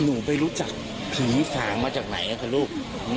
หนูไปรู้จักผีสางมาจากไหนคะลูก